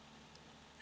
aku tahu korob